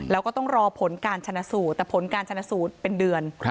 แล้วก็ต้องรอผลการชนะสูตรแต่ผลการชนะสูตรเป็นเดือน